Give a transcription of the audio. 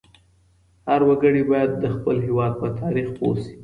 هر وګړی باید د خپل هېواد په تاریخ پوه سي.